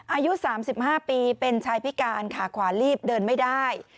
อายุ๓๕ปีเป็นชายพิการขาขวาลีบเดินไม่ได้